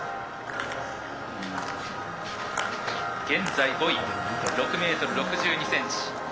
「現在５位６ｍ６２ｃｍ。